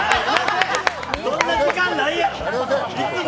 そんな時間ないやろ。